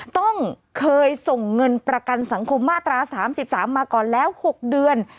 ต้องเคยส่งเงินประกันสังคมมาตรา๓๓มาก่อนแล้ว๖เดือน